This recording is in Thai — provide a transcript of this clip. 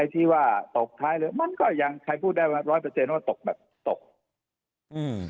ที่ว่าตกท้ายเรือมันก็ยังใครพูดได้ว่าร้อยเปอร์เซ็นว่าตกแบบตกอืม